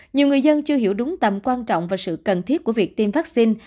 nhiều người dân chưa hiểu đúng tầm quan trọng và sự cần thiết của việc tiêm vaccine